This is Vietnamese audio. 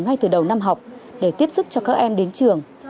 ngay từ đầu năm học để tiếp sức cho các em đến trường